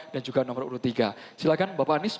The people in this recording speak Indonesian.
dan juga nomor urut tiga silahkan bapak anies